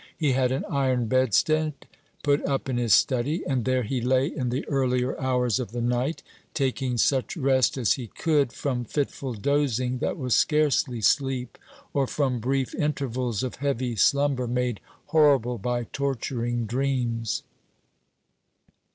He had an iron bedstead put up in his study, and there he lay in the earlier hours of the night, taking such rest as he could from fitful dozing that was scarcely sleep, or from brief intervals of heavy slumber made horrible by torturing dreams.